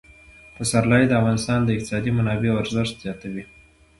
پسرلی د افغانستان د اقتصادي منابعو ارزښت زیاتوي.